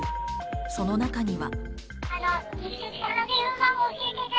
その中には。